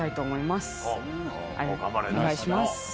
お願いします！